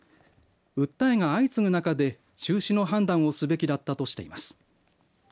訴えが相次ぐ中で中止の判断をすべきだったとしています。